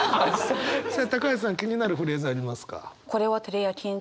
さあ橋さん気になるフレーズありますか？